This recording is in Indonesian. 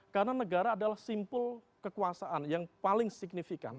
karena negara adalah simpul kekuasaan yang paling signifikan